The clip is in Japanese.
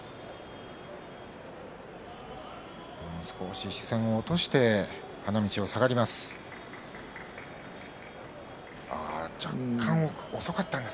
少し視線を落として花道を下がります。